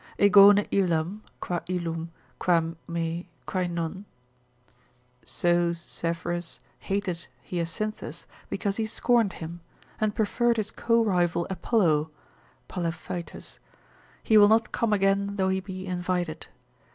Egone illam, quae illum, quae me, quae non? So Zephyrus hated Hyacinthus because he scorned him, and preferred his co rival Apollo (Palephaetus fab. Nar.), he will not come again though he be invited.